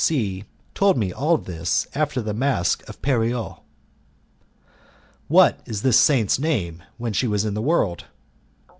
C C told me all this after the mask of Pierrot." "What was this saint's name when she was in the world?"